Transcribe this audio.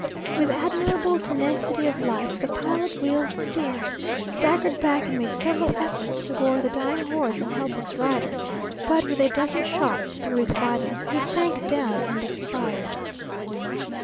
With admirable tenacity of life the pilot wheel steer staggered back and made several efforts to gore the dying horse and helpless rider, but with a dozen shots through his vitals, he sank down and expired.